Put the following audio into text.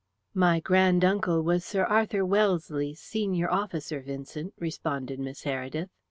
"My grand uncle was Sir Arthur Wellesley's senior officer, Vincent," responded Miss Heredith.